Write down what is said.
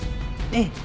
ええ。